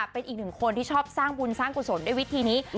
เป็นอีกหนึ่งคนที่ชอบสร้างบุญสร้างกุศลด้วยวิธีนี้